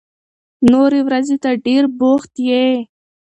نورې ورځې ته ډېر بوخت يې.